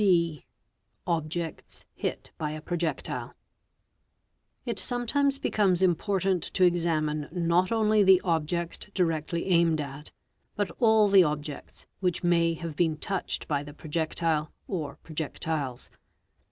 D. Objects hit by a projectile. It sometimes becomes important to examine not only the object lirectly aimed at, but all the objects which may have been touched by he projectile or projectiles.